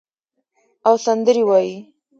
او سندرې وایې